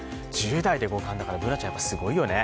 １０代で五冠だからＢｏｏｎａちゃん、すごいよね。